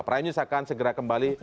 pernahnya saya akan segera kembali